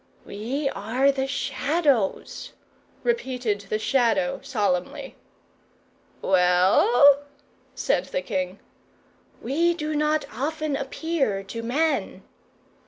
"We are the Shadows," repeated the Shadow solemnly. "Well?" said the king. "We do not often appear to men."